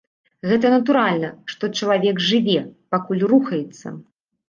Гэта натуральна, што чалавек жыве, пакуль рухаецца.